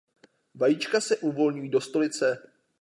Vajíčka se uvolňují do stolice.